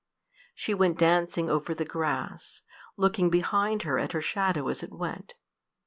She went dancing over the grass, looking behind her at her shadow as she went.